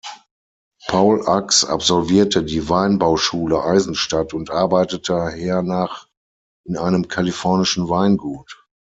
Paul Achs absolvierte die Weinbauschule Eisenstadt und arbeitete hernach in einem kalifornischen Weingut.